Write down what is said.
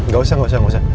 gak usah gak usah